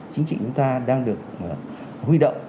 chính trị chúng ta đang được huy động